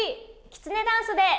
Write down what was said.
きつねダンスで。